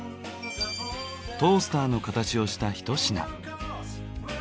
トースターの形をしたひと品。